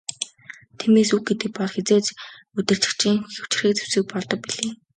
Тиймээс үг гэдэг бол хэзээд удирдагчийн хүчирхэг зэвсэг болдог билээ.